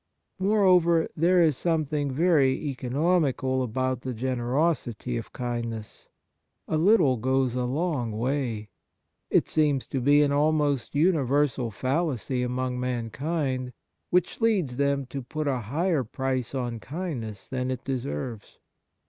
Moreover, there is something very eco nomical about the generosity of kindness. A little goes a long way ; it seems to be an almost universal fallacy among mankind, which leads them to put a higher price Kind Actions gi on kindness than it deserves.